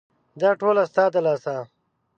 دا ټوله ستا د لاسه !